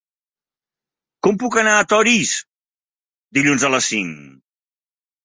Com puc anar a Torís dilluns a les cinc?